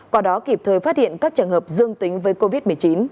qua đó kịp thời phát hiện các trường hợp dương tính với covid một mươi chín